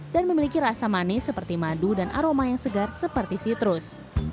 dan memiliki rasa manis seperti madu dan aroma yang segar seperti sitrus